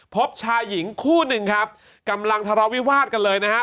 พบชายหญิงคู่หนึ่งครับกำลังทะเลาวิวาสกันเลยนะฮะ